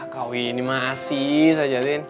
kau ini masih saja fin